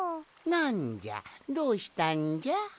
なんじゃどうしたんじゃ？